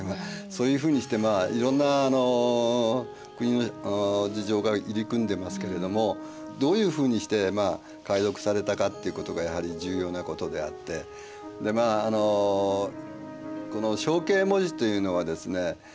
そういうふうにしていろんな国の事情が入り組んでますけれどもどういうふうにして解読されたかっていうことがやはり重要なことであってこの象形文字というのはですね